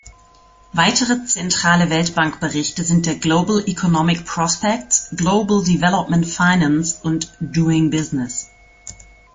Weitere zentrale Weltbank-Berichte sind der „Global Economic Prospects“, „Global Development Finance“ und „Doing Business“.